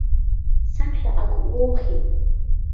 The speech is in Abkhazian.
Саԥхьа ак уоухьеит.